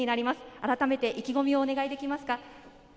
改めて意気込みをお願いできますか？